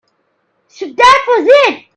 So that was it.